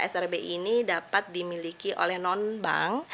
srb ini dapat dimiliki oleh non bank